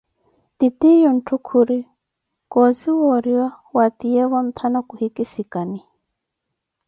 Titiyunthu khuri, kosiwa oriwa mwatiyevo ntana khuhikussani.